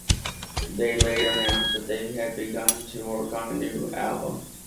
They later announced that they had begun to work on a new album.